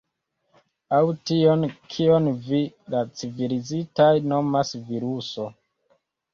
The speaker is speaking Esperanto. Aŭ tion kion vi, la civilizitaj, nomas viruso.